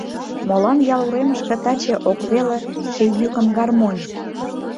Молан ял уремышке таче ок веле Ший йӱкым гармонь?